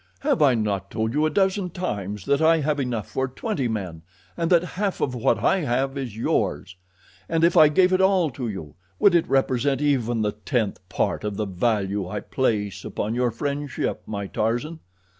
Have I not told you a dozen times that I have enough for twenty men, and that half of what I have is yours? And if I gave it all to you, would it represent even the tenth part of the value I place upon your friendship, my Tarzan?